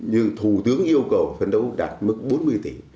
nhưng thủ tướng yêu cầu phấn đấu đạt mức bốn mươi tỷ